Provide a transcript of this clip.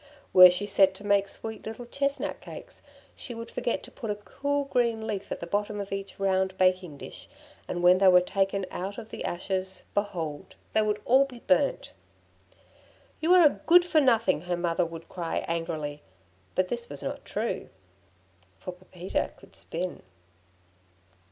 Were she set to make sweet little chestnut cakes, she would forget to put a cool green leaf at the bottom of each round baking dish, and when they were taken out of the ashes, behold, they would be all burnt! 'You are a good for nothing!' her mother would cry angrily; but this was not true, for Pepita could spin.